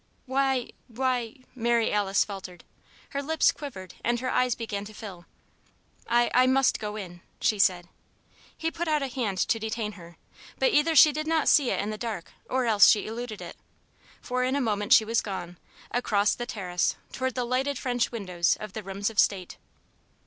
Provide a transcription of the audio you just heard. "Why why " Mary Alice faltered. Her lips quivered and her eyes began to fill. "I I must go in," she said. He put out a hand to detain her, but either she did not see it in the dark, or else she eluded it; for in a moment she was gone, across the terrace towards the lighted French windows of the rooms of state.